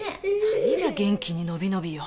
何が元気に伸び伸びよ。